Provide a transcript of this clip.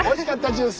ジュース。